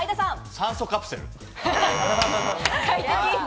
酸素カプセル。